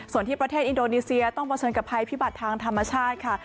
ส่วนที่ประเทศอินโดนีเซียต้องเผชิญกับภัยพิบัติทางธรรมชาติค่ะ